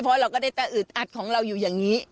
เพราะเราก็ได้แต่อึดอัดของเราอยู่อย่างนี้